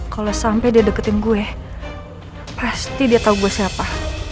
kalau sampai dia deketin gue pasti dia tahu gue siapa